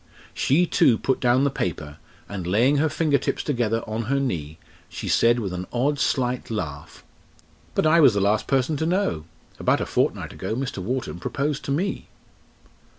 She, too, put down the paper, and laying her finger tips together on her knee she said with an odd slight laugh: "But I was the last person to know. About a fortnight ago Mr. Wharton proposed to me."